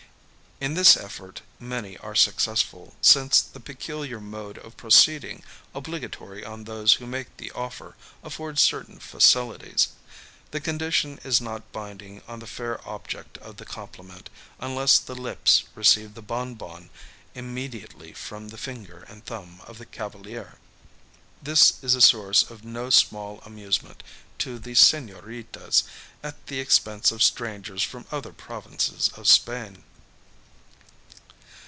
In this effort many are successful, since the peculiar mode of proceeding, obligatory on those who make the offer, affords certain facilities. The condition is not binding on the fair object of the compliment, unless the lips receive the bonbon immediately from the finger and thumb of the cavalier. This is a source of no small amusement to the señoritas at the expense of strangers from other provinces of Spain.